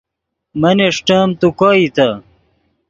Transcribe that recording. من اݰٹیم تو کوئیتے